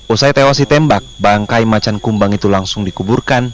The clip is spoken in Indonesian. usai tewasi tembak bangkai macan kumbang itu langsung dikuburkan